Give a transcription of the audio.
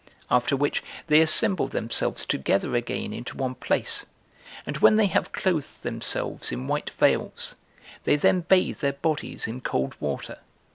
After which they assemble themselves together again into one place; and when they have clothed themselves in white veils, they then bathe their bodies in cold water.